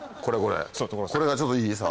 これこれこれがちょっといい？